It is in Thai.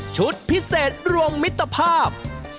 ชุดพิเศษรวมมิตรภาพ